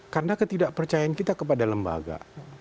karena ketidakpercayaan kita kepada lembaga